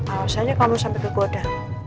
awas aja kamu sampai keboda